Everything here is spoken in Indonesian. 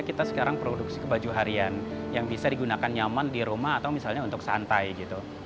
kita sekarang produksi ke baju harian yang bisa digunakan nyaman di rumah atau misalnya untuk santai gitu